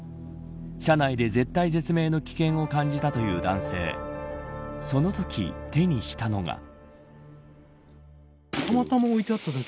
車内で、絶体絶命の危険を感じたという男性そのとき手にしたのが。